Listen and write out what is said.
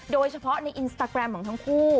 โดยเฉพาะในอินสตาแกรมของทั้งคู่